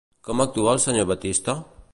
Com actua el senyor Batista?